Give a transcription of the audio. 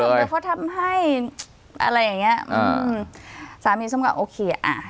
เดี๋ยวเขาทำให้อะไรอย่างเงี้ยอืมสามีส้มก็โอเคอ่า